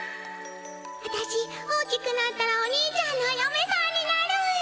あたし大きくなったらおにいちゃんのおよめさんになる。